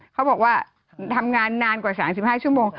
เขาบอกว่าทำงานนานกว่า๓๕ชั่วโมง